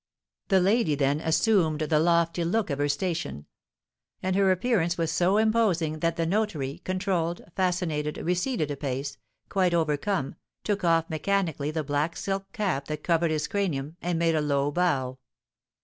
The lady then assumed the lofty look of her station; and her appearance was so imposing that the notary, controlled, fascinated, receded a pace, quite overcome, took off mechanically the black silk cap that covered his cranium, and made a low bow.